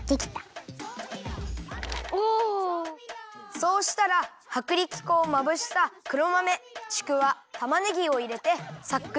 そうしたらはくりき粉をまぶした黒豆ちくわたまねぎをいれてさっくりとまぜます。